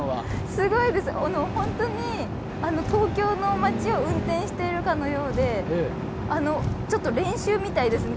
すごいです、ホントに東京の街を運転しているかのようでちょっと練習みたいですね。